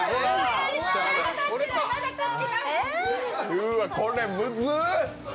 うーわ、これ、むずっ。